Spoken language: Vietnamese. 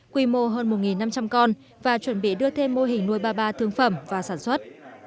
quy mô hơn một năm trăm linh con và chuẩn bị đưa thêm mô hình nuôi ba ba thương phẩm và sản xuất